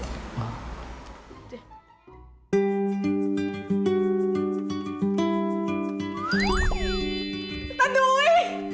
ตานุ้ย